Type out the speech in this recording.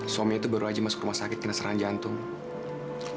suami itu baru aja masuk rumah sakit karena serangan jantung